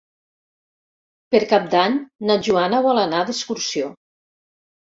Per Cap d'Any na Joana vol anar d'excursió.